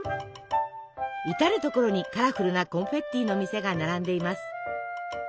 至る所にカラフルなコンフェッティの店が並んでいます。